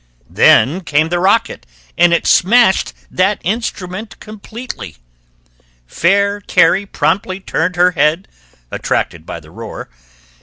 Then came the rocket and it smashed That instrument completely. Fair Carrie promptly turned her head, Attracted by the roar.